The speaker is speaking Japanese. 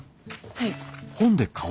はい。